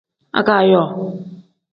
Agaayo.